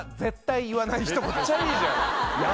めっちゃいいじゃん。